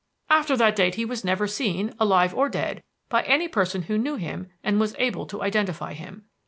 After that date he was never seen, alive or dead, by any person who knew him and was able to identify him.